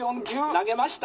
「投げました」。